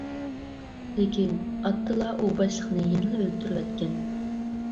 لېكىن، ئاتتىلا ئۇ باشلىقنى يەنىلا ئۆلتۈرۈۋەتكەن.